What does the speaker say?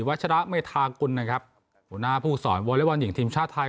ชระเมธากุลนะครับหัวหน้าผู้สอนวอเล็กบอลหญิงทีมชาติไทย